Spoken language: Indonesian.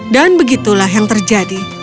dan begitulah yang terjadi